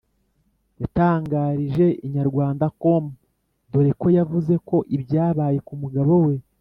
yatangarije inyarwandacom dore ko yavuze ko ibyabaye ku mugabo we